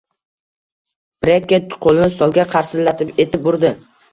Brekket qo`lini stolga qarsillatib etib urdi